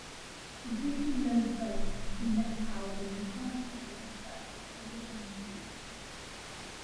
Depletion-load circuits consume less power than enhancement-load circuits at the same speed.